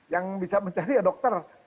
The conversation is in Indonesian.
yang bisa mencari ya dokter